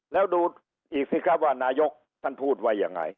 แล้วดูอีกสิครับว่านายกท่านพูดว่ายังไง